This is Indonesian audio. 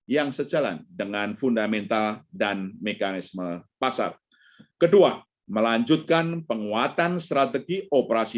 yang sejalan dengan fundamental dan mekanisme pasar kedua melanjutkan penguatan strategi operasi